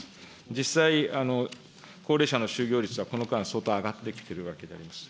実際、高齢者の就業率はこの間、相当上がってきているわけであります。